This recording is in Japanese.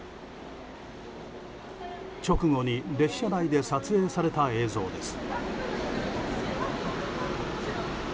直後に列車内で撮影された映像です。